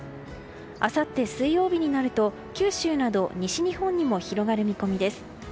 あさって水曜日になると九州など西日本にも広がる見込みです。